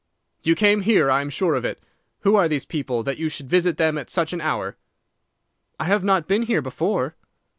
"'You came here. I am sure of it. Who are these people, that you should visit them at such an hour?' "'I have not been here before.